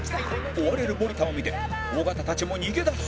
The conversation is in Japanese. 追われる森田を見て尾形たちも逃げだす